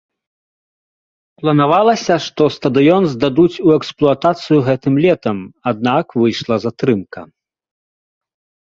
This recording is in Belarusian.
Планавалася, што стадыён здадуць у эксплуатацыю гэтым летам, аднак выйшла затрымка.